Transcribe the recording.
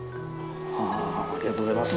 ありがとうございます。